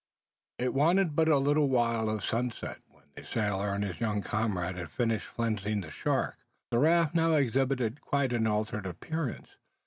It wanted but a little while of sunset, when the sailor and his young comrade had finished flensing the shark. The raft now exhibited quite an altered appearance.